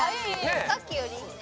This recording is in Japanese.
さっきよりいいね。